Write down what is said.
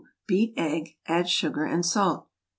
Beat egg. Add sugar and salt.